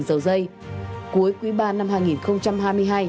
dầu dây cuối quý ba năm hai nghìn hai mươi hai